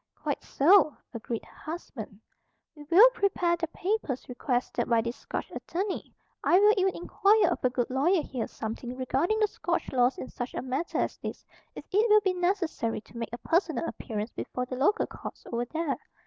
"Quite so," agreed her husband. "We will prepare the papers requested by this Scotch attorney. I will even inquire of a good lawyer here something regarding the Scotch laws in such a matter as this, if it will be necessary to make a personal appearance before the local courts over there.